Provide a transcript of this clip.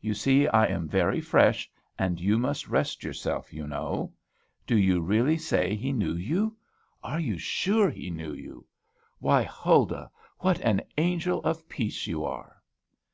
You see I am very fresh; and you must rest yourself, you know. Do you really say he knew you? Are you sure he knew you? Why, Huldah, what an angel of peace you are!"